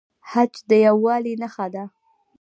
حج د یووالي نښه ده